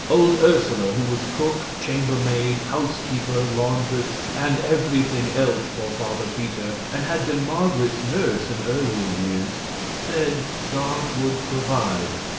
Old Ursula, who was cook, chambermaid, housekeeper, laundress, and everything else for Father Peter, and had been Marget's nurse in earlier years, said God would provide.